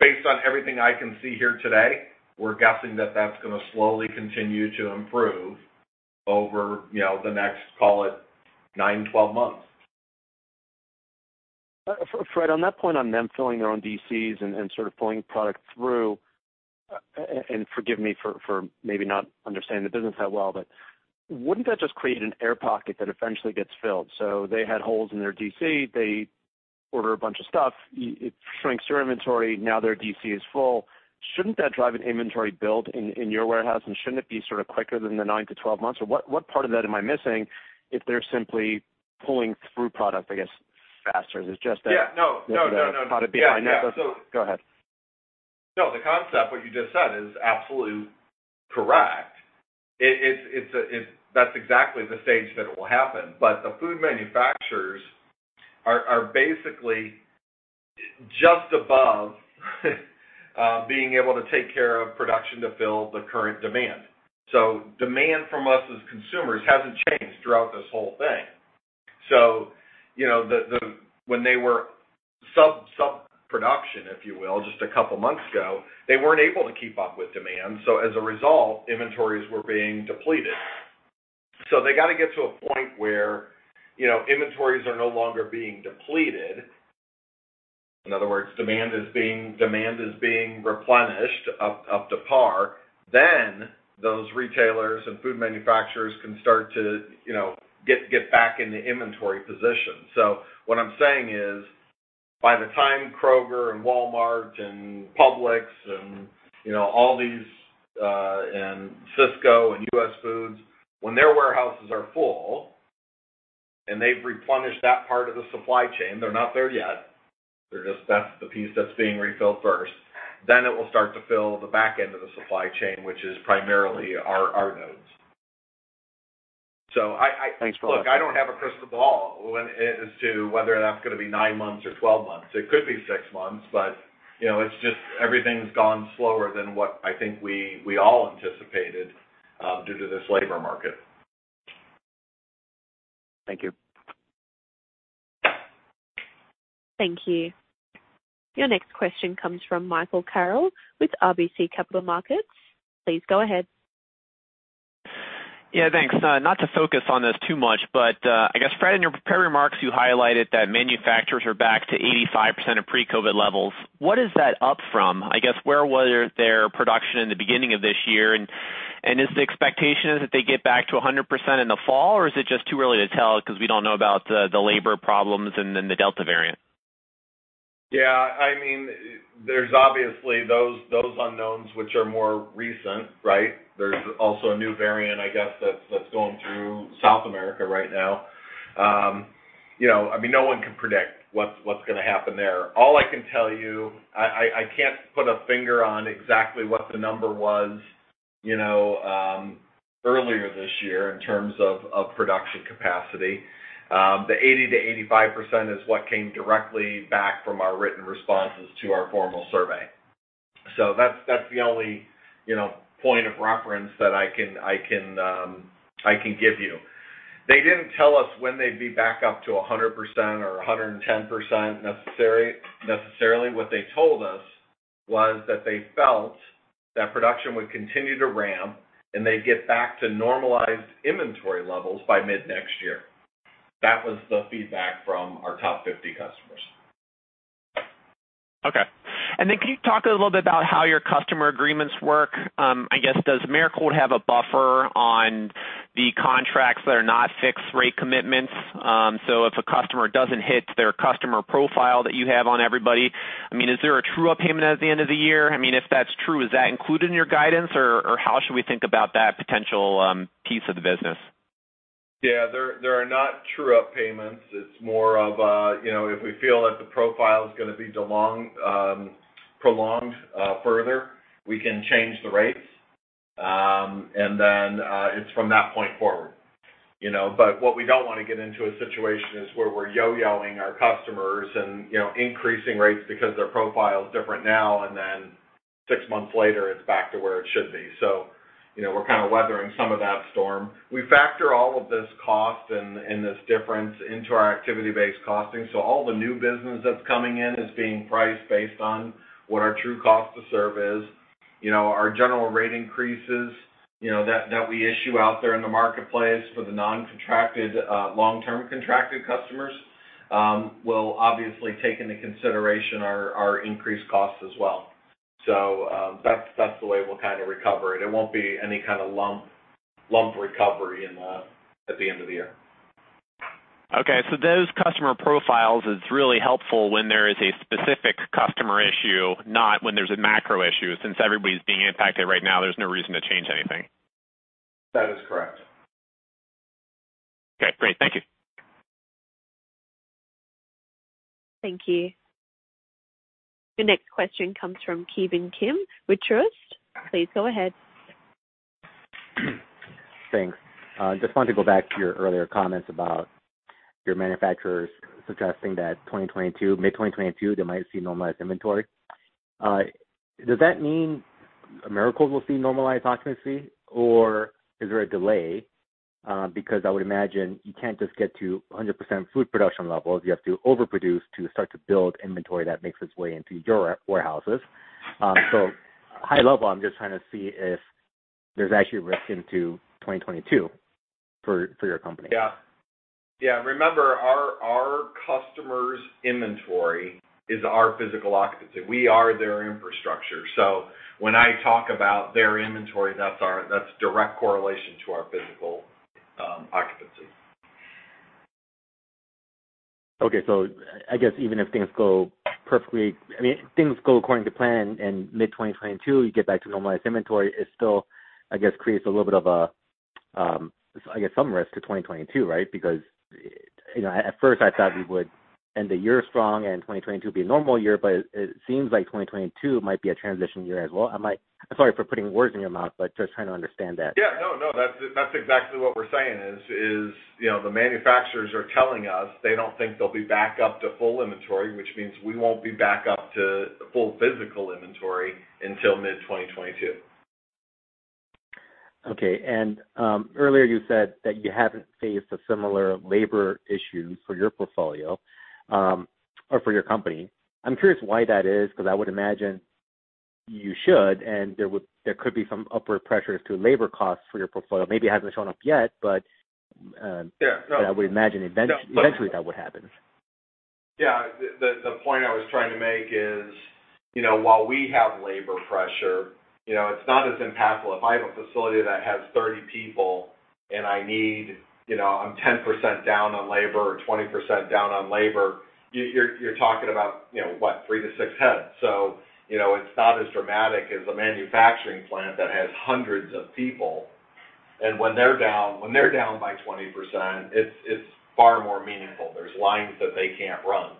Based on everything I can see here today, we're guessing that's going to slowly continue to improve over the next, call it 9-12 months. Fred, on that point on them filling their own DCs and sort of pulling product through, forgive me for maybe not understanding the business that well, but wouldn't that just create an air pocket that eventually gets filled? They had holes in their DC, they order a bunch of stuff, it shrinks your inventory, now their DC is full. Shouldn't that drive an inventory build in your warehouse, and shouldn't it be sort of quicker than the 9-12 months? What part of that am I missing if they're simply pulling through product, I guess, faster? Is it just that. Yeah. No, no, no. The product behind that? Yeah. Go ahead. No, the concept, what you just said, is absolutely correct. That's exactly the stage that it will happen. The food manufacturers are basically just above being able to take care of production to fill the current demand. Demand from us as consumers hasn't changed throughout this whole thing. When they were sub-production, if you will, just a couple of months ago, they weren't able to keep up with demand. As a result, inventories were being depleted. They got to get to a point where inventories are no longer being depleted. In other words, demand is being replenished up to par. Those retailers and food manufacturers can start to get back in the inventory position. What I'm saying is, by the time Kroger and Walmart and Publix and Sysco and US Foods, when their warehouses are full and they've replenished that part of the supply chain, they're not there yet, that's the piece that's being refilled first. It will start to fill the back end of the supply chain, which is primarily our nodes. Thanks. Look, I don't have a crystal ball as to whether or not it's going to be nine months or 12 months. It could be six months. Everything's gone slower than what I think we all anticipated due to this labor Market. Thank you. Thank you. Your next question comes from Michael Carroll with RBC Capital Markets. Please go ahead. Yeah, thanks. Not to focus on this too much, but I guess, Fred, in your prepared remarks, you highlighted that manufacturers are back to 85% of pre-COVID levels. What is that up from? I guess where was their production in the beginning of this year, and is the expectation that they get back to 100% in the fall, or is it just too early to tell because we don't know about the labor problems and then the Delta variant? Yeah. There's obviously those unknowns which are more recent, right? There's also a new variant, I guess, that's going through South America right now. No one can predict what's going to happen there. All I can tell you, I can't put a finger on exactly what the number was earlier this year in terms of production capacity. The 80%-85% is what came directly back from our written responses to our formal survey. That's the only point of reference that I can give you. They didn't tell us when they'd be back up to 100% or 110%, necessarily. What they told us was that they felt that production would continue to ramp, and they'd get back to normalized inventory levels by mid-next year. That was the feedback from our top 50 customers. Okay. Can you talk a little bit about how your customer agreements work? I guess, does Americold have a buffer on the contracts that are not fixed rate commitments? If a customer doesn't hit their customer profile that you have on everybody, is there a true-up payment at the end of the year? If that's true, is that included in your guidance, or how should we think about that potential piece of the business? Yeah, there are not true-up payments. It's more of if we feel that the profile is going to be prolonged further, we can change the rates, and then it's from that point forward. What we don't want to get into a situation is where we're yo-yoing our customers and increasing rates because their profile is different now and then six months later it's back to where it should be. We're kind of weathering some of that storm. We factor all of this cost and this difference into our activity-based costing. All the new business that's coming in is being priced based on what our true cost to serve is. Our general rate increases that we issue out there in the Marketplace for the non-long-term contracted customers will obviously take into consideration our increased costs as well. That's the way we'll kind of recover it. It won't be any kind of lump recovery at the end of the year. Okay. Those customer profiles is really helpful when there is a specific customer issue, not when there's a macro issue. Since everybody's being impacted right now, there's no reason to change anything. That is correct. Okay, great. Thank you. Thank you. The next question comes from Ki Bin Kim with Truist. Please go ahead. Thanks. Just wanted to go back to your earlier comments about your manufacturers suggesting that mid-2022, they might see normalized inventory. Does that mean Americold will see normalized occupancy, or is there a delay? I would imagine you can't just get to 100% food production levels. You have to overproduce to start to build inventory that makes its way into your warehouses. High level, I'm just trying to see if there's actually risk into 2022 for your company. Yeah. Remember, our customers' inventory is our physical occupancy. We are their infrastructure. When I talk about their inventory, that's direct correlation to our physical occupancy. Okay. I guess even if things go according to plan and mid-2022, you get back to normalized inventory, it still, I guess, creates a little bit of some risk to 2022, right? At first, I thought we would end the year strong and 2022 would be a normal year. It seems like 2022 might be a transition year as well. I am sorry for putting words in your mouth, just trying to understand that. Yeah. No, that's exactly what we're saying is, the manufacturers are telling us they don't think they'll be back up to full inventory, which means we won't be back up to full physical inventory until mid-2022. Okay. Earlier you said that you haven't faced a similar labor issue for your company. I'm curious why that is, because I would imagine you should, and there could be some upward pressures to labor costs for your portfolio. Maybe it hasn't shown up yet. Yeah, no. I would imagine eventually that would happen. The point I was trying to make is, while we have labor pressure, it's not as impactful. If I have a facility that has 30 people and I'm 10% down on labor or 20% down on labor, you're talking about what? Three-six heads. It's not as dramatic as a manufacturing plant that has hundreds of people, and when they're down by 20%, it's far more meaningful. There's lines that they can't run.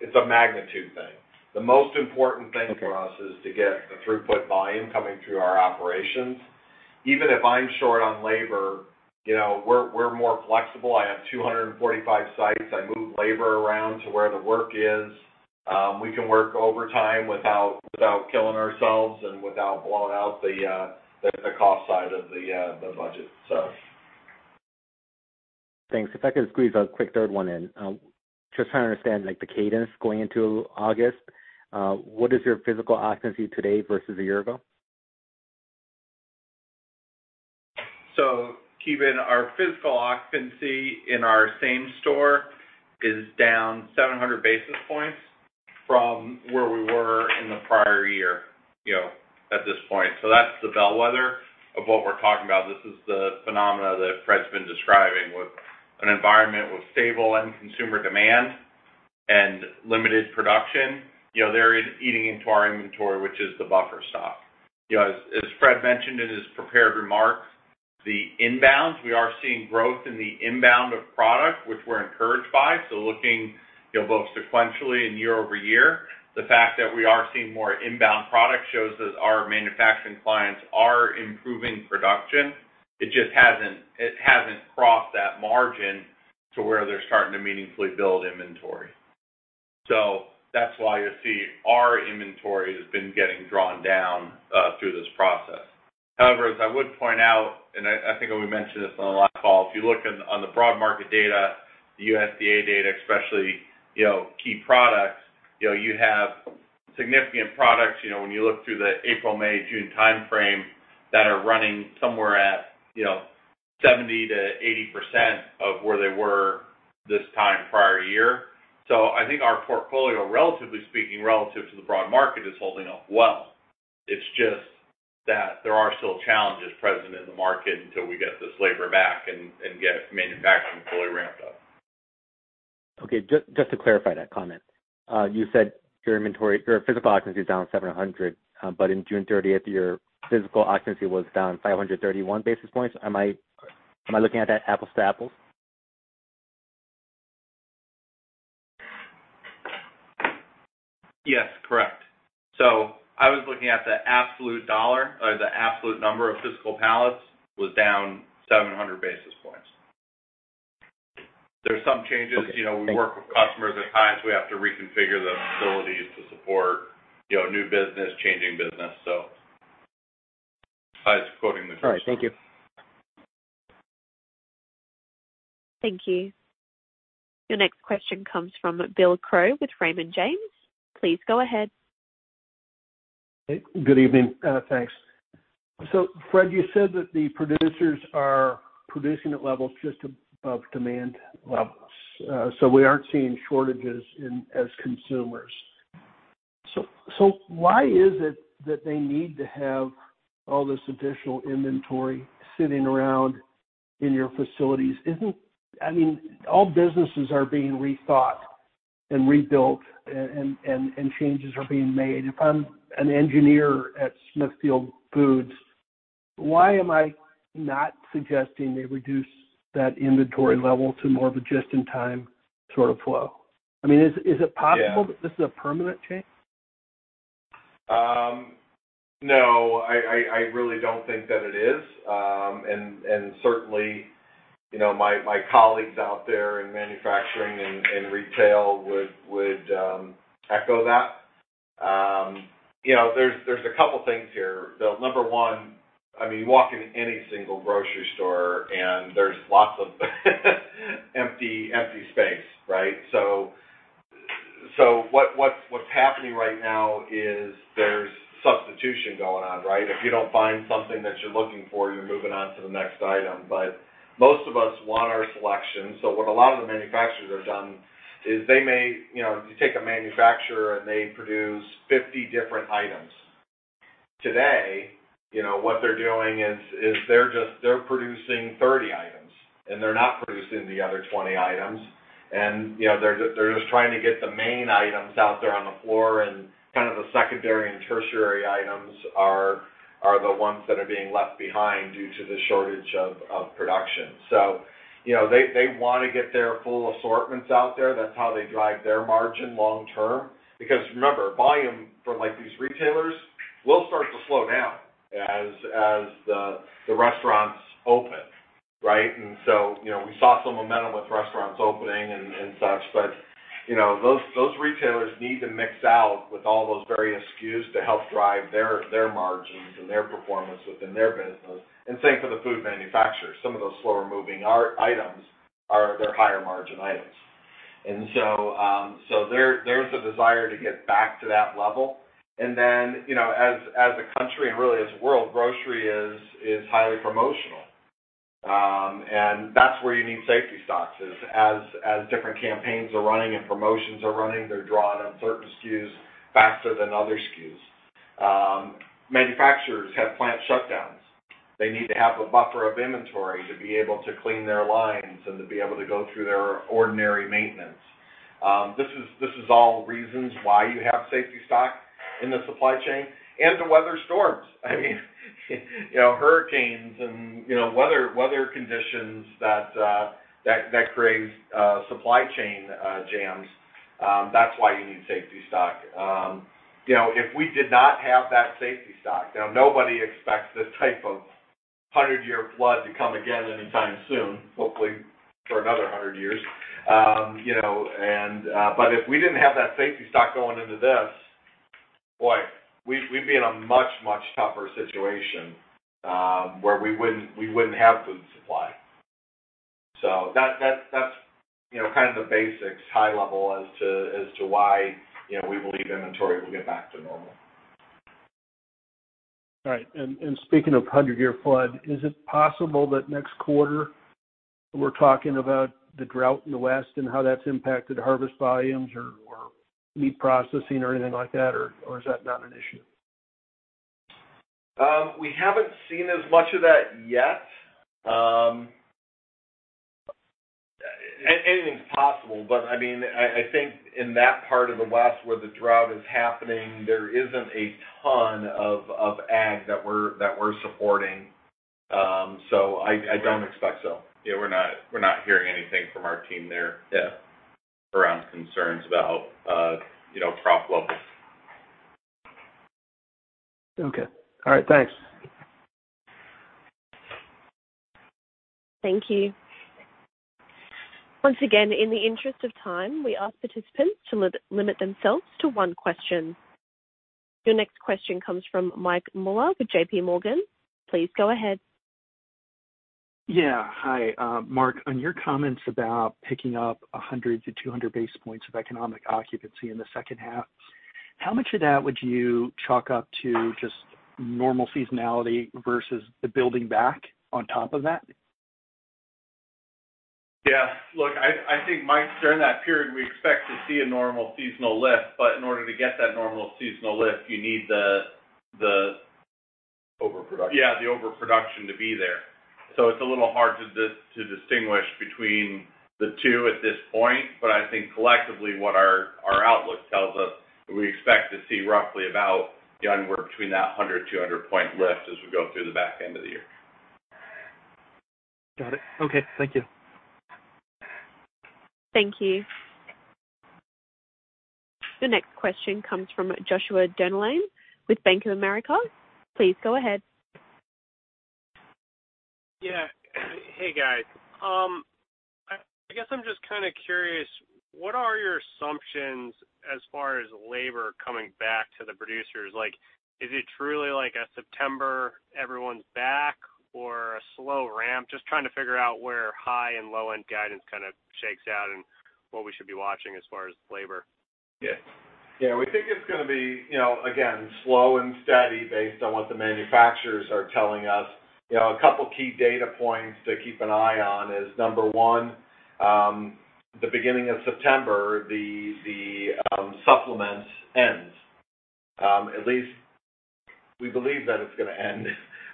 It's a magnitude thing. The most important thing for us is to get the throughput volume coming through our operations. Even if I'm short on labor, we're more flexible. I have 245 sites. I move labor around to where the work is. We can work overtime without killing ourselves and without blowing out the cost side of the budget. Thanks. If I could squeeze a quick third one in. Just trying to understand, the cadence going into August, what is your physical occupancy today versus a year ago? Ki Bin, our physical occupancy in our same store is down 700 basis points from where we were in the prior year, at this point. This is the phenomena that Fred's been describing with an environment with stable end consumer demand and limited production. They're eating into our inventory, which is the buffer stock. As Fred mentioned in his prepared reMarcs, we are seeing growth in the inbound of product, which we're encouraged by. Looking both sequentially and year-over-year, the fact that we are seeing more inbound product shows that our manufacturing clients are improving production. It hasn't crossed that margin to where they're starting to meaningfully build inventory. That's why you'll see our inventory has been getting drawn down through this process. As I would point out, and I think we mentioned this on the last call, if you look on the broad Market data, the USDA data especially, key products, you have significant products when you look through the April, May, June timeframe that are running somewhere at 70%-80% of where they were this time prior year. I think our portfolio, relatively speaking, relative to the broad Market, is holding up well. It's just that there are still challenges present in the Market until we get this labor back and get manufacturing fully ramped up. Okay. Just to clarify that comment. You said your physical occupancy is down 700, but in June 30th, your physical occupancy was down 531 basis points. Am I looking at that apples to apples? Yes, correct. I was looking at the absolute dollar, or the absolute number of physical pallets was down 700 basis points. There's some changes. Okay. Thank you. We work with customers, and at times, we have to reconfigure the facilities to support new business, changing business. I was quoting the first number. All right. Thank you. Thank you. Your next question comes from Bill Crow with Raymond James. Please go ahead. Good evening. Thanks. Fred, you said that the producers are producing at levels just above demand levels. We aren't seeing shortages as consumers. Why is it that they need to have all this additional inventory sitting around in your facilities? All businesses are being rethought and rebuilt, and changes are being made. If I'm an engineer at Smithfield Foods. Why am I not suggesting they reduce that inventory level to more of a just-in-time sort of flow? Is it possible that this is a permanent change? No, I really don't think that it is. Certainly, my colleagues out there in manufacturing and retail would echo that. There's a couple things here. Number one, you walk into any single grocery store and there's lots of empty space, right? What's happening right now is there's substitution going on, right? If you don't find something that you're looking for, you're moving on to the next item. Most of us want our selection, so what a lot of the manufacturers have done is You take a manufacturer, and they produce 50 different items. Today, what they're doing is they're producing 30 items, and they're not producing the other 20 items. They're just trying to get the main items out there on the floor, and kind of the secondary and tertiary items are the ones that are being left behind due to the shortage of production. They want to get their full assortments out there. That's how they drive their margin long term. Remember, volume for these retailers will start to slow down as the restaurants open, right? We saw some momentum with restaurants opening and such, but those retailers need to mix out with all those various SKUs to help drive their margins and their performance within their business. Same for the food manufacturers. Some of those slower moving items are their higher margin items. There's a desire to get back to that level. Then, as a country and really as a world, grocery is highly promotional. That's where you need safety stocks, is as different campaigns are running and promotions are running, they're drawing on certain SKUs faster than other SKUs. Manufacturers have plant shutdowns. They need to have a buffer of inventory to be able to clean their lines and to be able to go through their ordinary maintenance. This is all reasons why you have safety stock in the supply chain. To weather storms. I mean, hurricanes and weather conditions that create supply chain jams. That's why you need safety stock. If we did not have that safety stock, now nobody expects this type of 100-year flood to come again anytime soon, hopefully for another 100 years. If we didn't have that safety stock going into this, boy, we'd be in a much, much tougher situation where we wouldn't have food supply. That's kind of the basics, high level as to why we believe inventory will get back to normal. All right. Speaking of 100-year flood, is it possible that next quarter we're talking about the drought in the West and how that's impacted harvest volumes or meat processing or anything like that, or is that not an issue? We haven't seen as much of that yet. Anything's possible, but I think in that part of the West where the drought is happening, there isn't a ton of ag that we're supporting. I don't expect so. Yeah, we're not hearing anything from our team there. Yeah around concerns about crop levels. Okay. All right. Thanks. Thank you. Once again, in the interest of time, we ask participants to limit themselves to one question. Your next question comes from Michael Mueller with JPMorgan. Please go ahead. Yeah. Hi. Marc, on your comments about picking up 100-200 basis points of economic occupancy in the second half, how much of that would you chalk up to just normal seasonality versus the building back on top of that? Yeah, look, I think, Mike, during that period, we expect to see a normal seasonal lift, but in order to get that normal seasonal lift. Overproduction Yeah, the overproduction to be there. It's a little hard to distinguish between the two at this point. I think collectively what our outlook tells us, we expect to see roughly about anywhere between that 100-200 point lift as we go through the back end of the year. Got it. Okay. Thank you. Thank you. The next question comes from Joshua Dennerlein with Bank of America. Please go ahead. Yeah. Hey, guys. I guess I'm just kind of curious, what are your assumptions as far as labor coming back to the producers? Is it truly like a September, everyone's back or a slow ramp? Just trying to figure out where high and low-end guidance kind of shakes out and what we should be watching as far as labor. Yeah. We think it's going to be, again, slow and steady based on what the manufacturers are telling us. A couple key data points to keep an eye on is number 1, the beginning of September, the supplements end. At least we believe that it's going to end.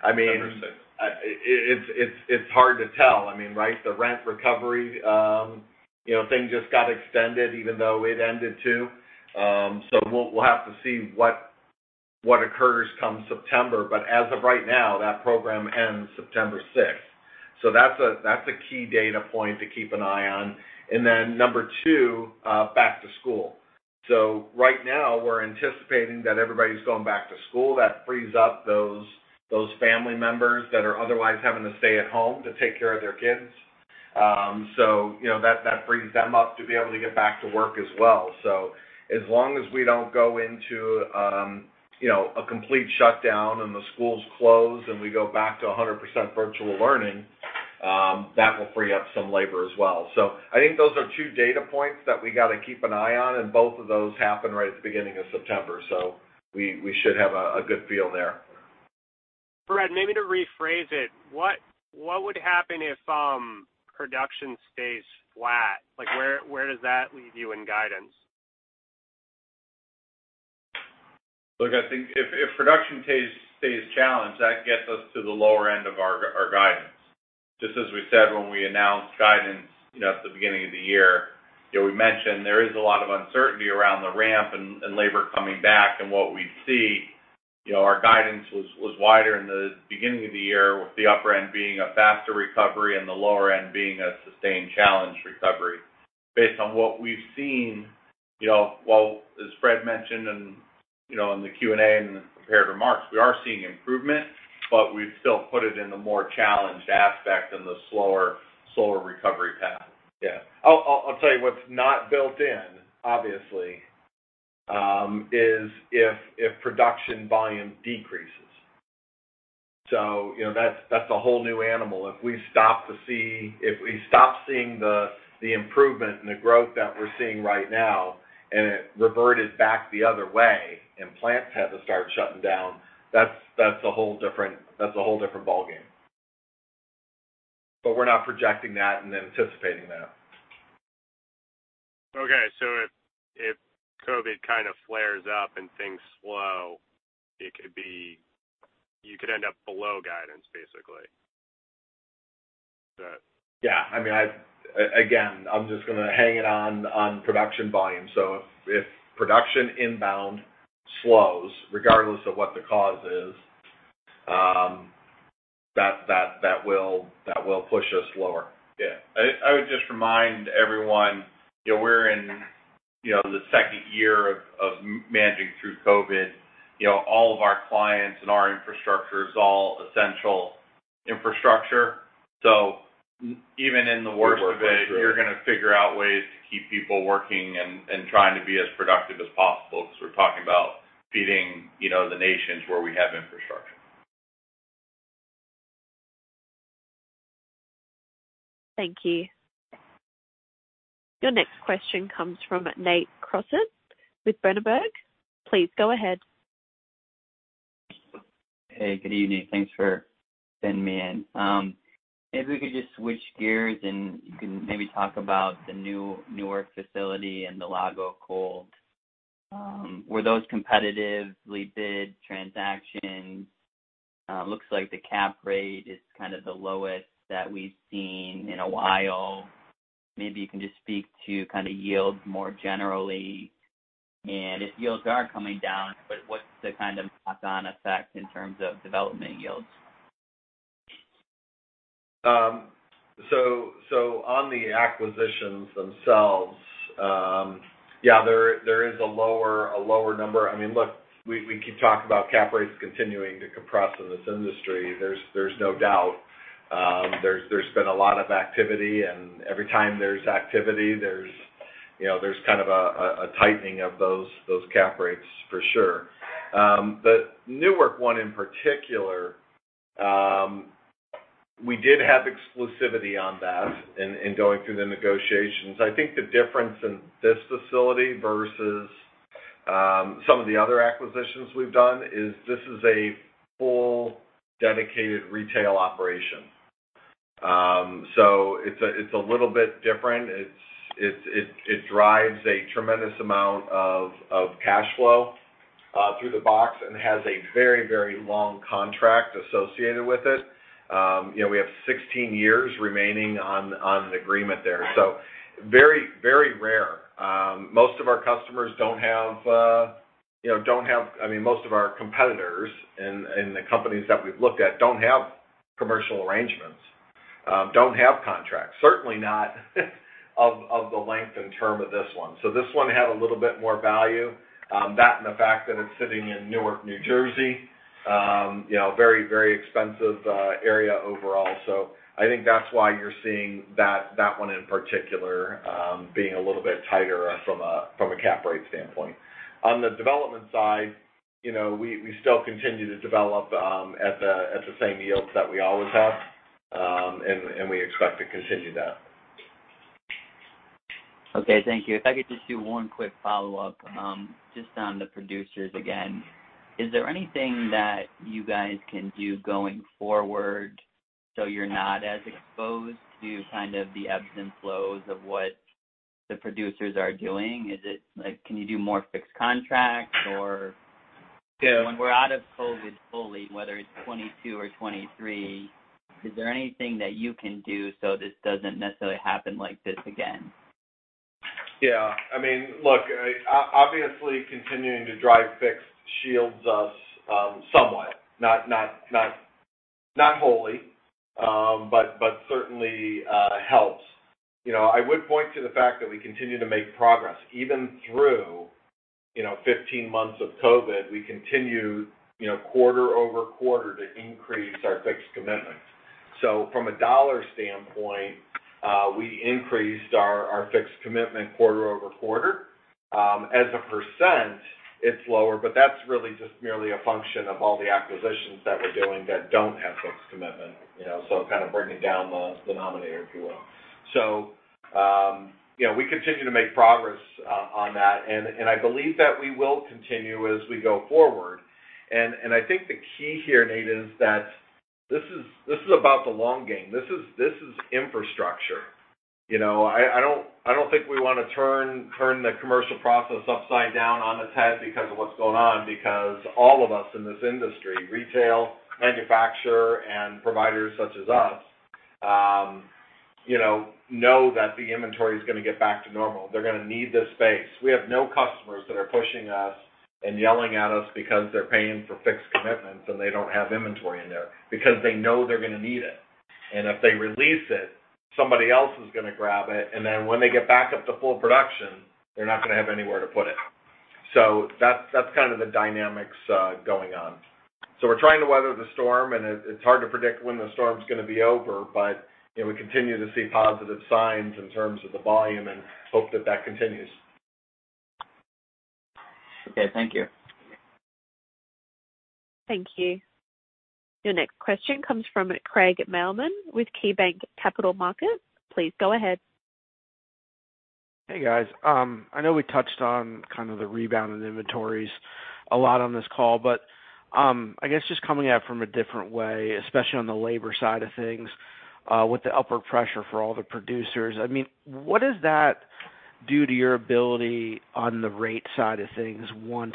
November 6th. It's hard to tell. I mean, right? The rent recovery thing just got extended even though it ended, too. We'll have to see what occurs come September. As of right now, that program ends September 6th. That's a key data point to keep an eye on. Number 2, back to school. Right now, we're anticipating that everybody's going back to school. That frees up those family members that are otherwise having to stay at home to take care of their kids. That frees them up to be able to get back to work as well. As long as we don't go into a complete shutdown and the schools close and we go back to 100% virtual learning, that will free up some labor as well. I think those are two data points that we got to keep an eye on, and both of those happen right at the beginning of September. We should have a good feel there. Fred, maybe to rephrase it, what would happen if production stays flat? Where does that leave you in guidance? Look, I think if production stays challenged, that gets us to the lower end of our guidance. Just as we said when we announced guidance at the beginning of the year, we mentioned there is a lot of uncertainty around the ramp and labor coming back and what we see, our guidance was wider in the beginning of the year, with the upper end being a faster recovery and the lower end being a sustained challenged recovery. Based on what we've seen, while, as Fred mentioned in the Q&A and the prepared reMarcs, we are seeing improvement, but we've still put it in the more challenged aspect and the slower recovery path. I'll tell you what's not built in, obviously, is if production volume decreases. That's a whole new animal. If we stop seeing the improvement and the growth that we're seeing right now, and it reverted back the other way and plants had to start shutting down, that's a whole different ballgame. We're not projecting that and anticipating that. Okay. If COVID kind of flares up and things slow, you could end up below guidance, basically. Is that? Yeah. Again, I'm just going to hang it on production volume. If production inbound slows, regardless of what the cause is, that will push us lower. Yeah. I would just remind everyone, we're in the second year of managing through COVID. All of our clients and our infrastructure is all essential infrastructure. We work our way through it. You're going to figure out ways to keep people working and trying to be as productive as possible, because we're talking about feeding the nations where we have infrastructure. Thank you. Your next question comes from Nate Crossett with Berenberg. Please go ahead. Hey, good evening. Thanks for fitting me in. If we could just switch gears, and you can maybe talk about the new Newark facility and the Lago Cold. Were those competitively bid transactions? Looks like the cap rate is kind of the lowest that we've seen in a while. Maybe you can just speak to kind of yields more generally, and if yields are coming down, what's the kind of knock-on effect in terms of development yields? On the acquisitions themselves, yeah, there is a lower number. Look, we keep talking about cap rates continuing to compress in this industry. There's no doubt. There's been a lot of activity, and every time there's activity, there's kind of a tightening of those cap rates for sure. Newark one in particular, we did have exclusivity on that in going through the negotiations. I think the difference in this facility versus some of the other acquisitions we've done is this is a full dedicated retail operation. It's a little bit different. It drives a tremendous amount of cash flow through the box and has a very, very long contract associated with it. We have 16 years remaining on an agreement there. Very, very rare. Most of our competitors and the companies that we've looked at don't have commercial arrangements, don't have contracts, certainly not of the length and term of this one. This one had a little bit more value. That and the fact that it's sitting in Newark, New Jersey, a very, very expensive area overall. I think that's why you're seeing that one in particular being a little bit tighter from a cap rate standpoint. On the development side, we still continue to develop at the same yields that we always have, and we expect to continue that. Okay. Thank you. If I could just do one quick follow-up, just on the producers again. Is there anything that you guys can do going forward so you're not as exposed to kind of the ebbs and flows of what the producers are doing? Can you do more fixed contracts? Yeah When we're out of COVID fully, whether it's 2022 or 2023, is there anything that you can do so this doesn't necessarily happen like this again? Yeah. Look, obviously continuing to drive fixed commitments us somewhat, not wholly, but certainly helps. I would point to the fact that we continue to make progress. Even through 15 months of COVID, we continued, quarter-over-quarter, to increase our fixed commitments. From a dollar standpoint, we increased our fixed commitment quarter-over-quarter. As a %, it's lower, but that's really just merely a function of all the acquisitions that we're doing that don't have fixed commitment. It kind of bring it down the denominator, if you will. We continue to make progress on that, and I believe that we will continue as we go forward. I think the key here, Nate, is that this is about the long game. This is infrastructure. I don't think we want to turn the commercial process upside down on its head because of what's going on, because all of us in this industry, retail, manufacturer, and providers such as us, know that the inventory's going to get back to normal. They're going to need this space. We have no customers that are pushing us and yelling at us because they're paying for fixed commitments and they don't have inventory in there, because they know they're going to need it. If they release it, somebody else is going to grab it. When they get back up to full production, they're not going to have anywhere to put it. That's kind of the dynamics going on. We're trying to weather the storm, and it's hard to predict when the storm's going to be over, but we continue to see positive signs in terms of the volume and hope that that continues. Okay. Thank you. Thank you. Your next question comes from Craig Mailman with KeyBanc Capital Markets. Please go ahead. Hey, guys. I know we touched on kind of the rebound in inventories a lot on this call, I guess just coming at from a different way, especially on the labor side of things, with the upward pressure for all the producers, what does that do to your ability on the rate side of things once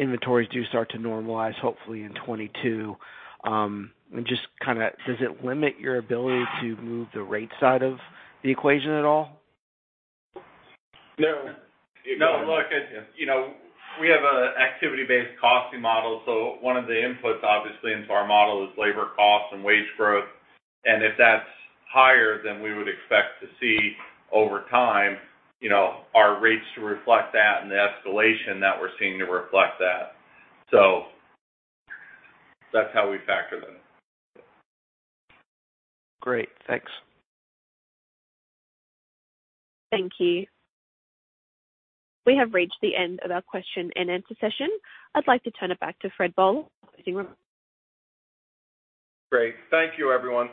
inventories do start to normalize, hopefully in 2022? Just does it limit your ability to move the rate side of the equation at all? No. Look, we have an activity-based costing model, so one of the inputs, obviously, into our model is labor cost and wage growth. If that's higher than we would expect to see over time, our rates reflect that and the escalation that we're seeing to reflect that. That's how we factor them. Great. Thanks. Thank you. We have reached the end of our question-and-answer session. I'd like to turn it back to Fred Boehler. Closing reMarcs. Great. Thank you, everyone.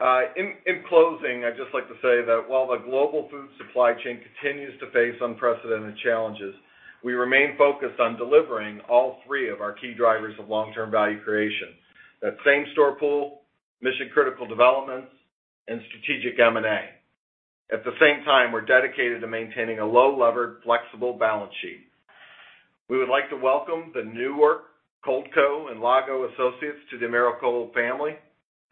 In closing, I'd just like to say that while the global food supply chain continues to face unprecedented challenges, we remain focused on delivering all three of our key drivers of long-term value creation. That's same-store pool, mission-critical developments, and strategic M&A. At the same time, we're dedicated to maintaining a low-levered, flexible balance sheet. We would like to welcome the Newark, ColdCo, and Lago associates to the Americold family,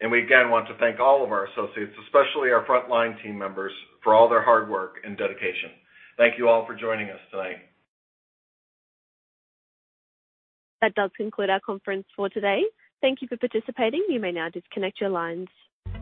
and we again want to thank all of our associates, especially our frontline team members, for all their hard work and dedication. Thank you all for joining us tonight. That does conclude our conference for today. Thank you for participating. You may now disconnect your lines.